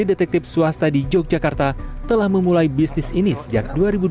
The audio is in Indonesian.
detektif swasta di yogyakarta telah memulai bisnis ini sejak dua ribu dua belas